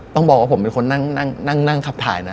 ต้องบอกว่าผมเป็นคนนั่งนั่งนั่งนั่งขับถ่ายนะ